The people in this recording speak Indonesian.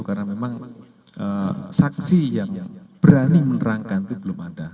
karena memang saksi yang berani menerangkan itu belum ada